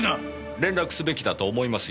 連絡すべきだと思いますよ。